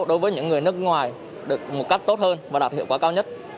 đối với những người nước ngoài được một cách tốt hơn và đạt hiệu quả cao nhất